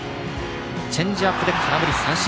チェンジアップで空振り三振！